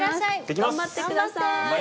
頑張って下さい。